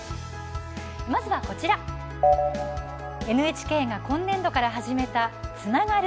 まずはこちらＮＨＫが今年度から始めたつながる！